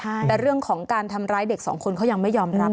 แต่เรื่องของการทำร้ายเด็กสองคนเขายังไม่ยอมรับ